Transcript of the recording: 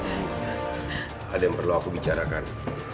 ada yang perlu aku bicarakan